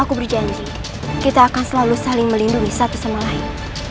aku berjanji kita akan selalu saling melindungi satu sama lain